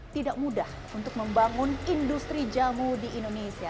tidak mudah untuk membangun industri jamu di indonesia